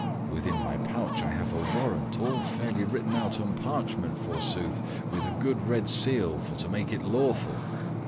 Within my pouch I have a warrant, all fairly written out on parchment, forsooth, with a great red seal for to make it lawful.